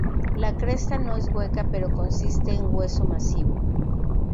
La cresta no es hueca pero consiste en hueso masivo.